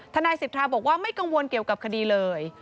นายสิทธาบอกว่าไม่กังวลเกี่ยวกับคดีเลย